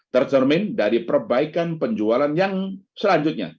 tercermin dari perbaikan penjualan yang selanjutnya